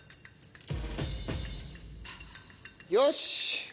よし！